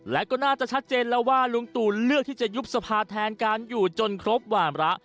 และก็น่าจะชัดเจนแล้วว่าลุงตู่เลือกที่จะยุบสภาแทนการอยู่จนครบวามระ